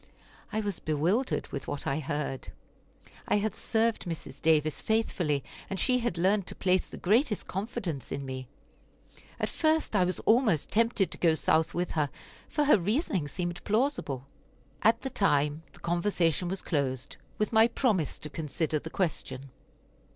I was bewildered with what I heard. I had served Mrs. Davis faithfully, and she had learned to place the greatest confidence in me. At first I was almost tempted to go South with her, for her reasoning seemed plausible. At the time the conversation was closed, with my promise to consider the question.